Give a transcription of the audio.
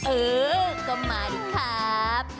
เออก็มาดีครับ